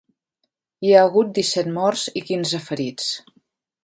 Hi ha hagut disset morts i quinze ferits.